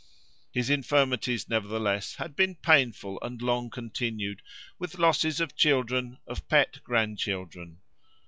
His infirmities nevertheless had been painful and long continued, with losses of children, of pet grandchildren.